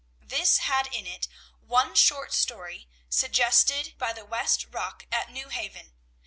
This had in it one short story suggested by the West Rock at New Haven.